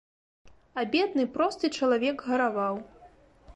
А бедны, просты чалавек гараваў.